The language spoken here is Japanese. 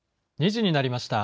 ２時になりました。